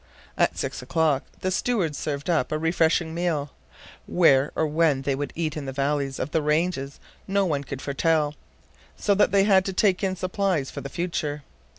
At six o'clock the steward served up a refreshing meal. Where or when they would eat in the valleys of the Ranges no one could foretell. So that they had to take in supplies for the future.